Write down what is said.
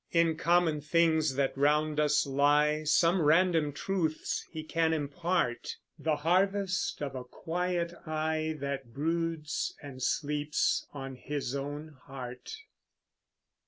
In common things that round us lie Some random truths he can impart The harvest of a quiet eye That broods and sleeps on his own heart.